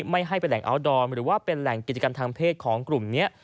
ไม่ให้เป็นแหล่งอัลดอร์หรือว่าเป็นแหล่งกิจกรรมทางเพศของกลุ่มนี้